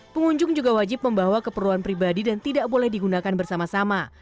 pengunjung juga wajib membawa keperluan pribadi dan tidak boleh digunakan bersama sama